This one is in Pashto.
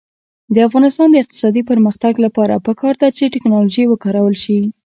د افغانستان د اقتصادي پرمختګ لپاره پکار ده چې ټیکنالوژي وکارول شي.